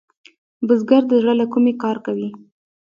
بزګر د زړۀ له کومي کار کوي